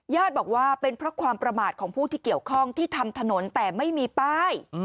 บอกว่าเป็นเพราะความประมาทของผู้ที่เกี่ยวข้องที่ทำถนนแต่ไม่มีป้าย